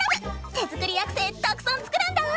手作りアクセたくさん作るんだぁ！